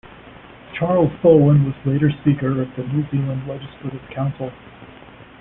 Charles Bowen was later Speaker of the New Zealand Legislative Council.